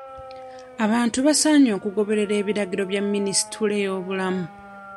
Abantu basaanye okugoberera abiragiro bya minisitule y'ebyobulamu.